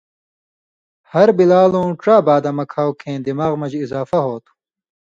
ہر بلالؤں ڇا بادامہ کھاؤ کھیں دماغ مژ اضافہ ہوتُھو۔